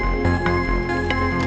kepada saya diem ularmu